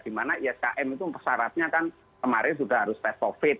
dimana iskm itu syaratnya kan kemarin sudah harus tes covid